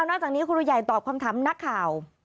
นอกจากนี้ครูใหญ่ตอบคำถามนักข่าว